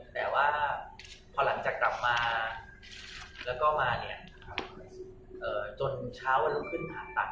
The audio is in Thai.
แต่ว่าหลังจากกลับมาจนเช้าขึ้นอาตัด